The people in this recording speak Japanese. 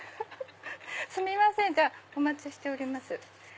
すみませんじゃあお待ちしております。